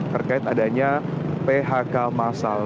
terkait adanya phk masal